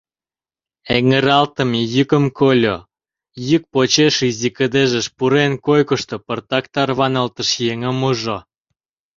Эҥыралтыме йӱкым кольо, йӱк почеш изи кыдежыш пурен, койкышто пыртак тарваналтыш еҥым ужо.